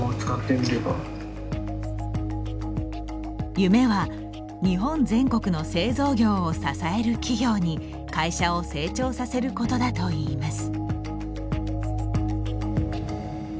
夢は日本全国の製造業を支える企業に会社を成長させることだといいます。